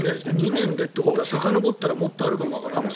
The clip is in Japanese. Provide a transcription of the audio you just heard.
２年でということはさかのぼったらもっとあるかもしれない。